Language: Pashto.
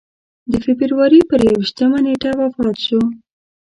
د فبروري پر یوویشتمه نېټه وفات شو.